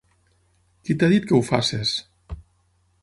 Qui t'ha dit que ho facis?